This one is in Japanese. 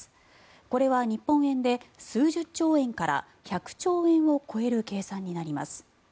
これは日本円で数十兆円から１００兆円を超える計算になります。